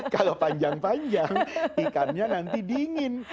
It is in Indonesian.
kalau panjang panjang ikannya nanti dingin